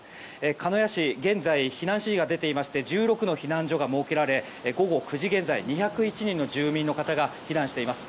鹿屋市、現在避難指示が出ていまして１６の避難所が設けられ午後９時現在２０１人の住民の方が避難しています。